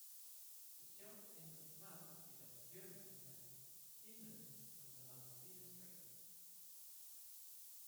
Sechelt Inlet's mouth is at Jervis Inlet, inland from the Malaspina Strait.